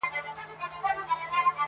• کشپ غوښتل جواب ورکړي په ښکنځلو -